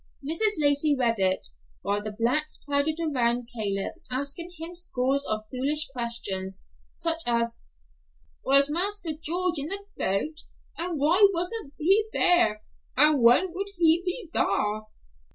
Mrs. Lacey read it, while the blacks crowded around Claib asking him scores of foolish questions, such as, "Was Marster George in the boat? And why wasn't he thar? And when would he be thar?"